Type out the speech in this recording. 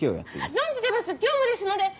存じてます業務ですので！